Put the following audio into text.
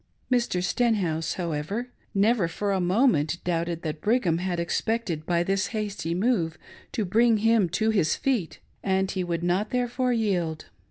Mr. Stenhouse, however, never for a moment doubted that Brigham had expected by this hasty move to bring him to his feet, and he would not therefore yield.